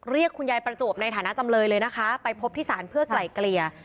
เรียกคุณยายประจวบในฐานะจำเลยเลยนะคะไปพบที่ศาลเพื่อไกล่เกลี่ย